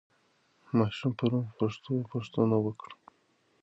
ماشوم پرون په پښتو پوښتنه وکړه.